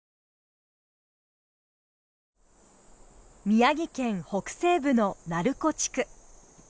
宮城県北西部の鳴子地区。